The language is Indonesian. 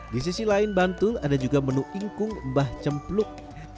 di sisi lain bantul ada juga menu ingkung mbah cempluk